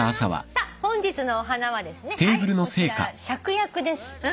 さあ本日のお花はですねこちらシャクヤクです。